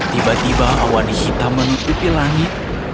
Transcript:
tiba tiba awan hitam menutupi langit